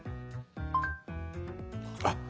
あっ！